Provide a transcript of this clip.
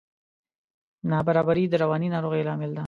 نابرابري د رواني ناروغیو لامل ده.